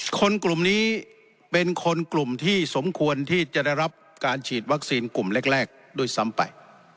กลุ่มนี้เป็นคนกลุ่มที่สมควรที่จะได้รับการฉีดวัคซีนกลุ่มแรกด้วยซ้ำไป